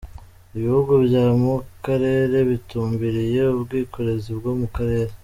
Ibihugu byo mu Karere bitumbiriye ubwikorezi bwo mu kirere.